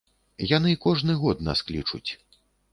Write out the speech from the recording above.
Яны кожны год нас клічуць.